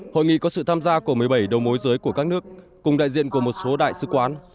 hội nghị có sự tham gia của một mươi bảy đầu mối giới của các nước cùng đại diện của một số đại sứ quán